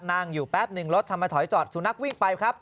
นั่งอยู่แป๊บหนึ่งรถทำไมถอยจอดสุนัขวิ่งไปครับ